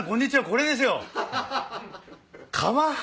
これですよ。